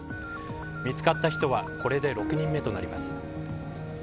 見つかった人はこれで６人目となります。